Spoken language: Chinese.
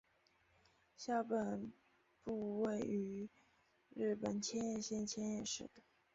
校本部位于日本千叶县千叶市。